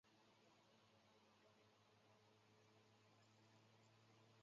华裔泰国人大部分仍庆祝华人传统节日。